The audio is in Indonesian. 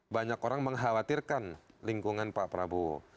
banyak orang mengkhawatirkan lingkungan pak prabowo